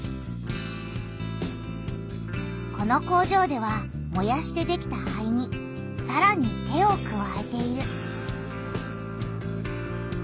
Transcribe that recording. この工場ではもやしてできた灰にさらに手をくわえている。